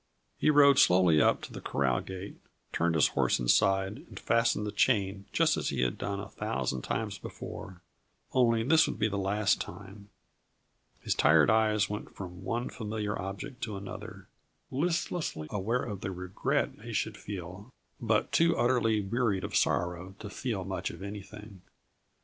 He rode slowly up to the corral gate, turned his horse inside and fastened the chain just as he had done a thousand times before only this would be the last time. His tired eyes went from one familiar object to another, listlessly aware of the regret he should feel but too utterly wearied of sorrow to feel much of anything.